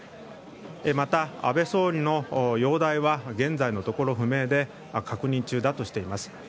また、安倍総理の容体は現在のところ不明で確認中だとしています。